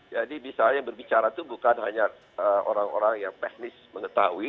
jadi misalnya berbicara itu bukan hanya orang orang yang teknis mengetahui